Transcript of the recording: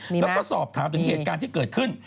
แล้วก็สอบถามถึงเหตุการณ์ที่เกิดขึ้น